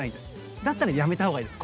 だったらやめたほうがいいです。